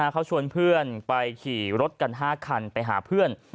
เขาชวนเพื่อนไปขี่รถกัน๕คันไปหาเพื่อน